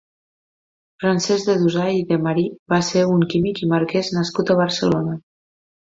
Francesc de Dusai i de Marí va ser un químic i marquès nascut a Barcelona.